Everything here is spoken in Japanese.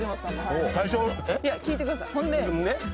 いや聞いてください